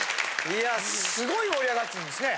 いや凄い盛り上がってるんですね。